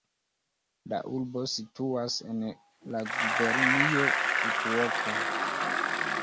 La urbo situas en la gubernio Fukuoka.